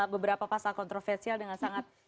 beberapa pasal kontroversial dengan sangat